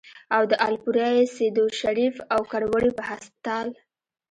او د الپورۍ ، سېدو شريف ، او کروړې پۀ هسپتال